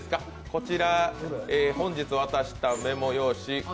こちら、本日渡したメモ用紙。